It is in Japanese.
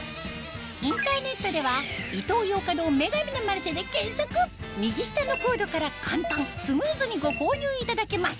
インターネットでは右下のコードから簡単スムーズにご購入いただけます